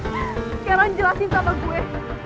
sekarang jelasin sama gue